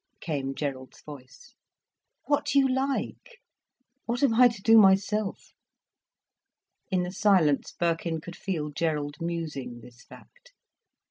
came Gerald's voice. "What you like. What am I to do myself?" In the silence Birkin could feel Gerald musing this fact.